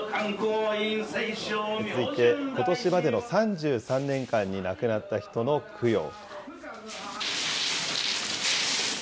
続いて、ことしまでの３３年間に亡くなった人の供養。